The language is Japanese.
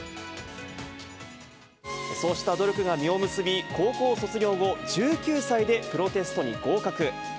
そうした努力が実を結び、高校卒業後、１９歳でプロテストに合格。